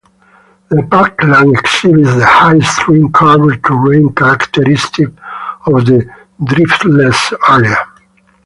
The parkland exhibits the highly stream-carved terrain characteristic of the Driftless Area.